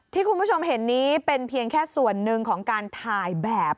ที่คุณผู้ชมเห็นนี้เป็นเพียงแค่ส่วนหนึ่งของการถ่ายแบบ